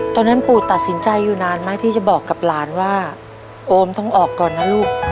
ตอนนั้นปู่ตัดสินใจอยู่นานไหมที่จะบอกกับหลานว่าโอมต้องออกก่อนนะลูก